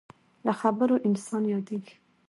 له خبرو انسان یادېږي.